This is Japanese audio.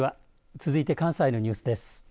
続いて関西のニュースです。